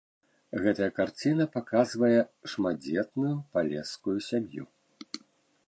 Гэтая карціна паказвае шматдзетную палескую сям'ю.